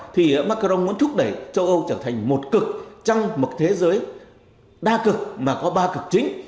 thì macron muốn thúc đẩy châu âu trở thành một cực trong một thế giới đa cực mà có ba cực chính